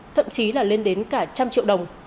thậm chí là lên đến cả trăm triệu đồng